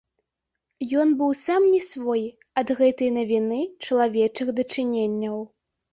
Ён быў сам не свой ад гэтай навіны чалавечых дачыненняў.